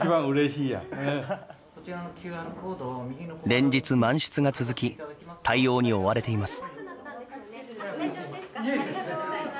連日、満室が続き対応に追われています。